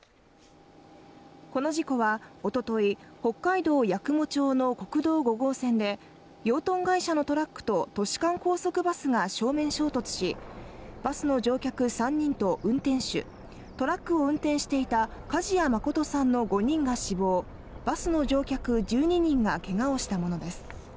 この事故は、おととい、北海道八雲町の国道５号線で、養豚会社のトラックと都市間高速バスが正面衝突し、バスの乗客３人と運転手トラックを運転していた梶谷誠さんの５人が死亡、バスの乗客１２人がけがをしたものです。